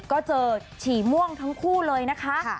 ก็เจอฉี่ม่วงทั้งคู่เลยนะคะ